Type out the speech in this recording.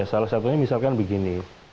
salah satunya misalkan begini